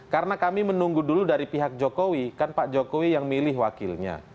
karena kami menunggu dulu dari pihak jokowi kan pak jokowi yang milih wakilnya